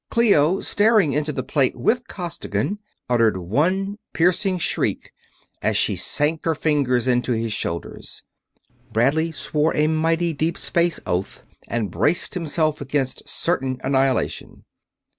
Clio, staring into the plate with Costigan, uttered one piercing shriek as she sank her fingers into his shoulders. Bradley swore a mighty deep space oath and braced himself against certain annihilation.